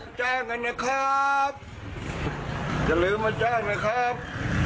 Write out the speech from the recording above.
รับจ้างกันนะครับจะลืมว่าจ้างนะครับ